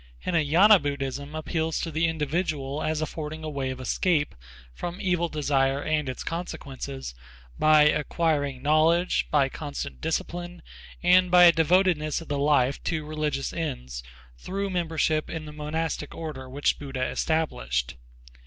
Hinayana Buddhism appeals to the individual as affording a way of escape from evil desire and its consequences by acquiring knowledge, by constant discipline, and by a devotedness of the life to religious ends through membership in the monastic order which Buddha established.